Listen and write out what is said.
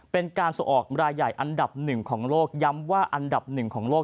เป็นการส่งออกรายใหญ่อันดับหนึ่งของโลกย้ำว่าอันดับหนึ่งของโลก